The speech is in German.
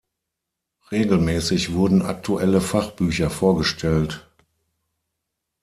Regelmäßig wurden aktuelle Fachbücher vorgestellt.